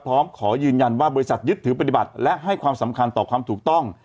ขอยืนยันว่าบริษัทยึดถือปฏิบัติและให้ความสำคัญต่อความถูกต้อง